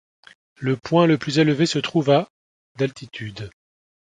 Le point le plus élevé se trouve à d'altitude.